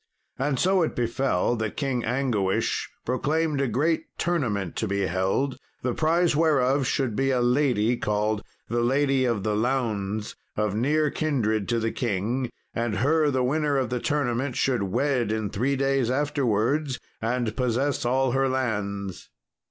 And so it befell that King Anguish proclaimed a great tournament to be held, the prize whereof should be a lady called the Lady of the Launds, of near kindred to the king: and her the winner of the tournament should wed in three days afterwards, and possess all her lands.